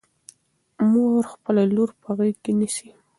مور خپله لور په غېږ کې نیسي.